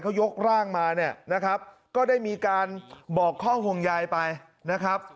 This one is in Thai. เขายกร่างมาเนี่ยนะครับก็ได้มีการบอกข้อห่วงใยไปนะครับ